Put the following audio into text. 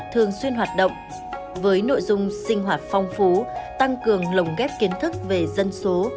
thường xuyên hoạt động với nội dung sinh hoạt phong phú tăng cường lồng ghép kiến thức về dân số